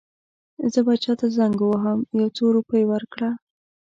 زه به چاته زنګ ووهم یو څو روپۍ ورکړه.